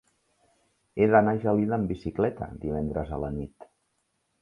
He d'anar a Gelida amb bicicleta divendres a la nit.